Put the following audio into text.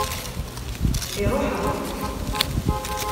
Iṛuḥ-aɣ.